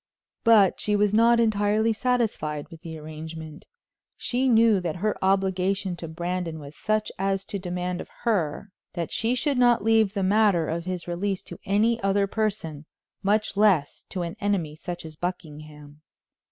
But she was not entirely satisfied with the arrangement. She knew that her obligation to Brandon was such as to demand of her that she should not leave the matter of his release to any other person, much less to an enemy such as Buckingham.